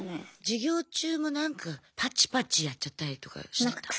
授業中もなんかパチパチやっちゃったりとかしてた？